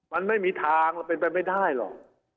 มันไม่มีทางแล้วเป็นไปไม่ได้หรอก